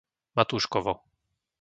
Matúškovo